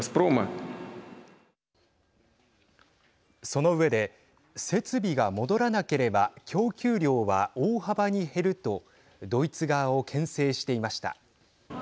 その上で、設備が戻らなければ供給量は大幅に減るとドイツ側をけん制していました。